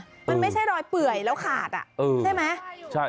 มันไม่ใช่รอยเปื่อยแล้วขาดอ่ะใช่ไหม